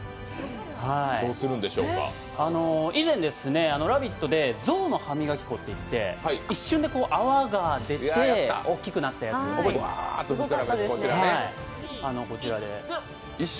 以前、「ラヴィット！」で象の歯磨き粉っていって一瞬で泡が出て大きくなったやつ覚えてますか？